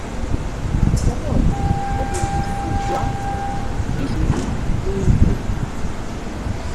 Nabonye bagiye gusibywa ishri n’imvura